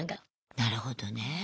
なるほどね。